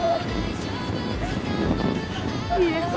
いいですか？